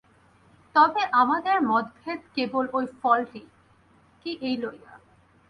তবে আমাদের মতভেদ কেবল ঐ ফলটি কি, এই লইয়া।